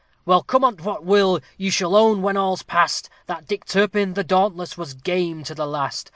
Well, come on't what will, you shall own when all's past, That Dick Turpin, the Dauntless, was game to the last.